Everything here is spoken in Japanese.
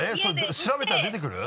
調べたら出てくる？